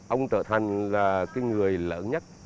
ông tợ thành là cái người lớn nhất